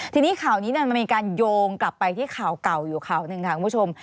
ทีนี้ข่าวนี้มันมีการโยงกลับไปที่ข่าวเก่าอยู่ข่าวหนึ่งค่ะคุณผู้ชม